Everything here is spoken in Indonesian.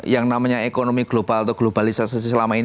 yang namanya ekonomi global atau globalisasi selama ini